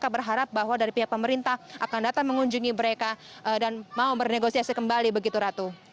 mereka berharap bahwa dari pihak pemerintah akan datang mengunjungi mereka dan mau bernegosiasi kembali begitu ratu